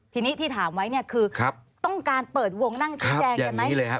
ทีนี้ที่ถามไว้เนี่ยคือครับต้องการเปิดวงนั่งชี้แจงเห็นไหมครับอย่างนี้เลยฮะ